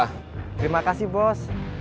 terima kasih bos